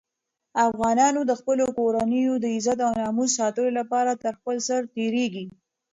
افغانان د خپلو کورنیو د عزت او ناموس ساتلو لپاره تر خپل سر تېرېږي.